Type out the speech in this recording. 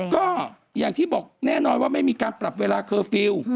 ก็อย่างที่บอกแน่นอนว่าไม่มีการปรับเวลาเคอร์ฟิลล์